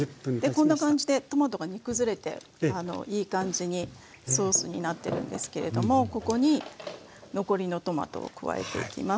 でこんな感じでトマトが煮崩れていい感じにソースになってるんですけれどもここに残りのトマトを加えていきます。